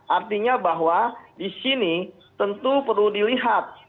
artinya bahwa di sini tentu perlu dilihat